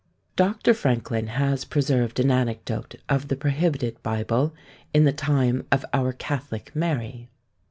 Dr. Franklin has preserved an anecdote of the prohibited Bible in the time of our Catholic Mary.